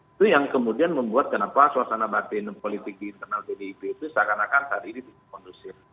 itu yang kemudian membuat kenapa suasana batin politik di internal pdip itu seakan akan saat ini tidak kondusif